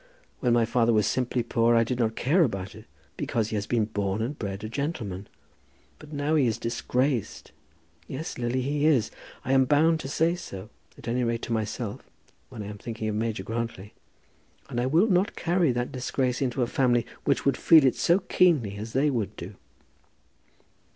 When my father was simply poor I did not care about it, because he has been born and bred a gentleman. But now he is disgraced. Yes, Lily, he is. I am bound to say so, at any rate to myself, when I am thinking of Major Grantly; and I will not carry that disgrace into a family which would feel it so keenly as they would do."